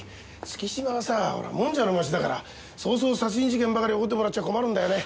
月島はさあほらもんじゃの町だからそうそう殺人事件ばかり起こってもらっちゃ困るんだよね。